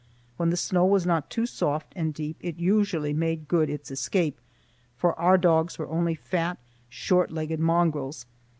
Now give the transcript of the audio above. When the snow was not too soft and deep, it usually made good its escape, for our dogs were only fat, short legged mongrels.